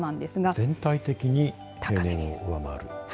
全体的に平年を上回る。